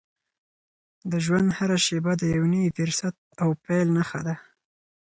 د ژوند هره شېبه د یو نوي فرصت او پیل نښه ده.